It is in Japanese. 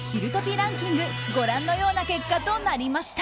ランキングご覧のような結果となりました。